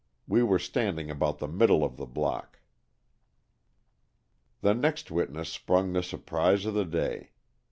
We were standing about the middle of the block." The next witness sprung the surprise of the day.